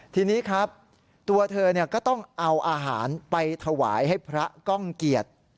ทีนี้ครับตัวเธอก็ต้องเอาอาหารไปถวายให้พระก้องเกียจ